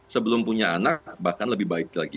sebelum punya anak bahkan lebih baik lagi